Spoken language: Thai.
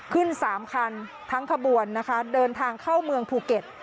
ขึ้น๓คันทั้งขบวนนะคะเดินทางเข้าเมืองภูเก็ต